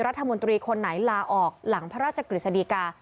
รัฐมนตรีคนไหนลาออกหลังพระราชกฤษฎีกา